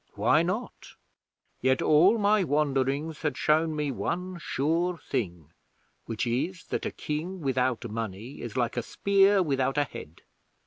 Why not? 'Yet all my wanderings had shown me one sure thing, which is, that a King without money is like a spear without a head.